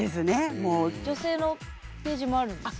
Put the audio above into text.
女性のページもあるんですか？